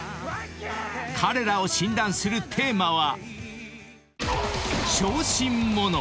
［彼らを診断するテーマは］